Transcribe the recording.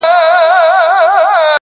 زړه مي د اشنا په لاس کي وليدی.